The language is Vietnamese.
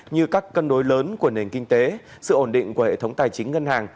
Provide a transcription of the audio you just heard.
như các cân đối lớn của nền kinh tế sự ổn định của hệ thống tài chính ngân hàng